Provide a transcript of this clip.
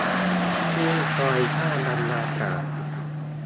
ที่คอยสร้างบรรยากาศ